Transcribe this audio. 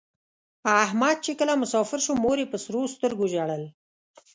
احمد چې کله مسافر شو مور یې په سرو سترگو ژړل.